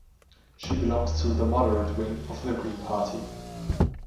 She belongs to the moderate wing of the Green Party.